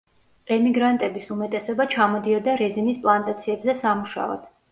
ემიგრანტების უმეტესობა ჩამოდიოდა რეზინის პლანტაციებზე სამუშაოდ.